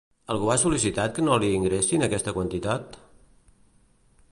Algú ha sol·licitat que no li ingressin aquesta quantitat?